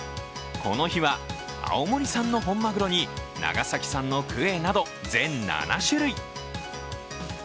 この日は青森産の本まぐろに長崎産のくえなど、全７種類。